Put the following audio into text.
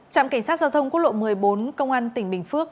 trạm cảnh sát giao thông quốc lộ một mươi bốn công an tỉnh bình phước